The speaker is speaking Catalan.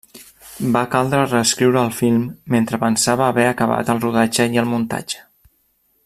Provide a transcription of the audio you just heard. Va caldre reescriure el film mentre pensava haver acabat el rodatge i el muntatge.